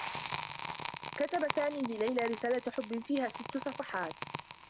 كتب سامي لليلى رسالة حبّ فيها ستّ صفحات.